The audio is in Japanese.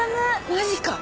マジか。